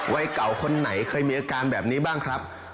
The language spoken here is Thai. วัยเก่าคนไหนเคยมีอาการแบบนี้บ้างครับ